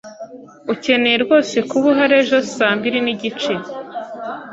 Ukeneye rwose kuba uhari ejo saa mbiri nigice.